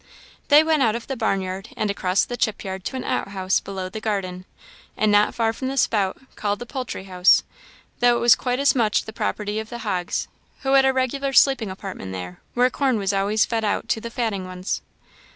They went out of the barn yard and across the chip yard to an out house below the garden, and not far from the spout, called the poultry house; though it was quite as much the property of the hogs, who had a regular sleeping apartment there, where corn was always fed out to the fatting ones.